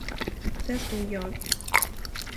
Där stod jag.